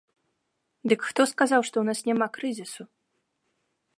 Дык хто сказаў, што ў нас няма крызісу?